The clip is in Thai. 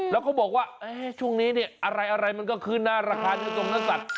แล้วก็บอกว่าช่วงนี้เนี่ยอะไรมันก็ขึ้นหน้าราคาเยอะตรงนั้นสัตว์